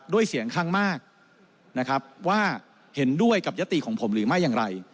ด้วยเสียงคั่งมากว่าเห็นด้วยกับยศติของผมหรือไม่อย่างไร